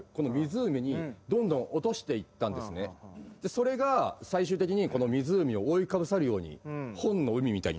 それが最終的に湖を覆いかぶさるように本の海みたいに。